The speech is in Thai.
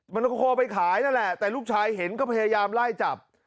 มันก็โคไปขายนั่นแหละแต่ลูกชายเห็นก็พยายามไล่จับ